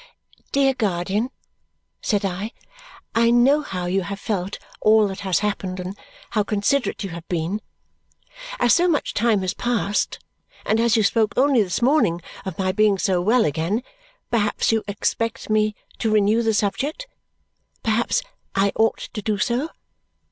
"Dear guardian," said I, "I know how you have felt all that has happened, and how considerate you have been. As so much time has passed, and as you spoke only this morning of my being so well again, perhaps you expect me to renew the subject. Perhaps I ought to do so.